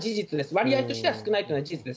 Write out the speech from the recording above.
割合としては少ないというのは事実です。